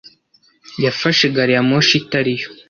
Yafashe gari ya moshi itari yo.